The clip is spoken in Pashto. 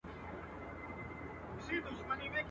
سړي وویل کالیو ته مي ګوره .